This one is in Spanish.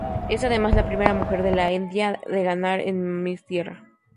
Es, además, la primera mujer de la India en ganar Miss Tierra.